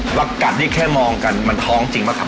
ว่ากัดนี่แค่มองกันมันท้องจริงป่ะครับ